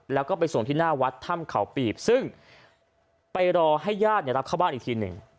แล้วก็ไปส่งที่หน้าวัดถ้ำเขาปีบซึ่งไปรอให้ญาติรับเข้าบ้านอีกทีหนึ่ง